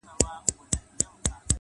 هوښیار انسان د اورېدو هنر لري.!